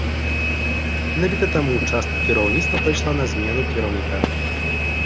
Менавіта таму частка кіраўніцтва пайшла на змену кіраўніка.